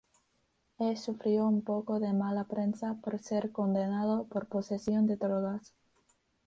He sufrió un poco de mala prensa por ser condenado por posesión de drogas.